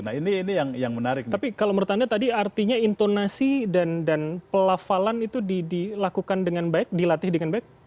nah ini yang menarik tapi kalau menurut anda tadi artinya intonasi dan pelafalan itu dilakukan dengan baik dilatih dengan baik